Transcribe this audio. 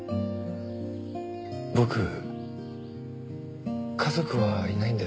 僕家族はいないんですか？